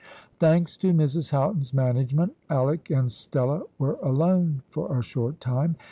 Thanks to Mrs Houghton's management, Alick and Stella were alone for a short time.